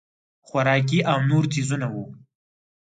خوراکي او نور څیزونه وو.